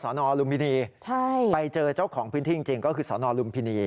นลุมพินีไปเจอเจ้าของพื้นที่จริงก็คือสนลุมพินี